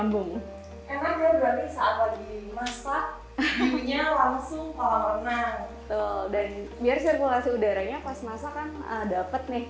betul dan biar sirkulasi udaranya pas masak kan dapat nih